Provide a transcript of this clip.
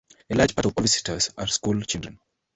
A large part of all visitors are school children.